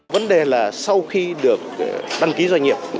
vấn đề là sau khi được đăng ký doanh nghiệp